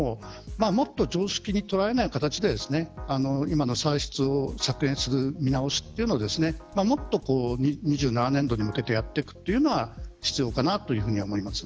もっと、常識にとらわれない形で今の歳出を削減する見直しというのをもっと２７年度に向けてやっていく、というのは必要かなと思います。